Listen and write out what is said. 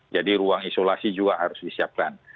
jadi ruang isolasi juga harus disiapkan